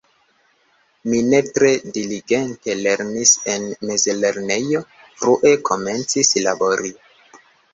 Mi ne tre diligente lernis en mezlernejo, frue komencis labori.